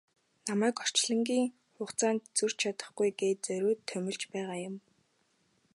Намайг орлогчийн хугацаанд зөрж чадахгүй гээд зориуд томилж байгаа юм.